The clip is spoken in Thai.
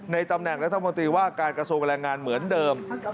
ตำแหน่งรัฐมนตรีว่าการกระทรวงแรงงานเหมือนเดิม